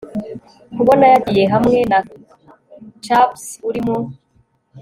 kubona yagiye hamwe na chaps urimo